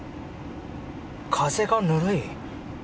風がぬるい。